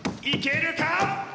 いけるか？